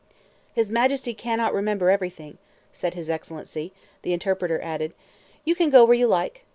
"His Majesty cannot remember everything," said his Excellency; the interpreter added, "You can go where you like."